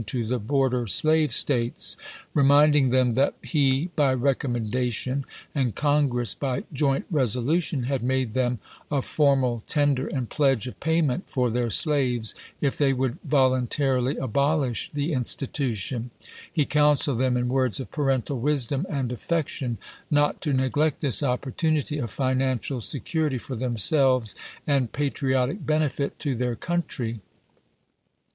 to the border slave States. Reminding them that he by recommendation, and Congress by joint reso lution, had made them a formal tender and pledge of payment for their slaves if they would volunta rily abolish the institution, he counseled them in words of parental wisdom and affection not to neglect this opportunity of financial security for themselves and patriotic benefit to their country.